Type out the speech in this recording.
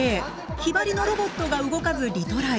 ヒバリのロボットが動かずリトライ。